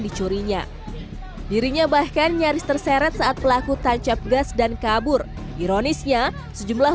dicurinya dirinya bahkan nyaris terseret saat pelaku tancap gas dan kabur ironisnya sejumlah